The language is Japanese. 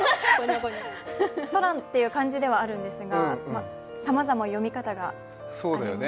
空っていう漢字ではあるんですが、さまざま読み方がありますよね。